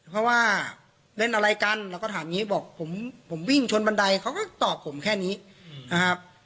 เพราะว่าเล่นอะไรกันเราก็ถามอย่างนี้บอกผมวิ่งชนบันไดเขาก็ตอบผมแค่นี้นะครับ